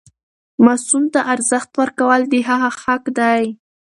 ماسوم ته ارزښت ورکول د هغه حق دی.